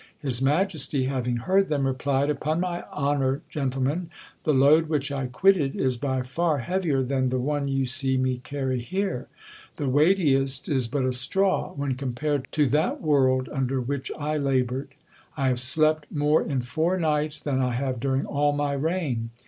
His majesty having heard them, replied "Upon my honour, gentlemen, the load which I quitted is by far heavier than the one you see me carry here: the weightiest is but a straw, when compared to that world under which I laboured. I have slept more in four nights than I have during all my reign.